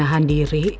dan lebih nahan diri